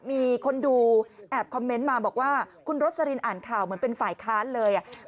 มีคนดูแอบคอมเมนต์มาบอกว่าคุณโรสลินอ่านข่าวเหมือนเป็นฝ่ายค้านเลยอ่ะ